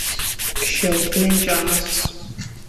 შეუდგნენ ჭამას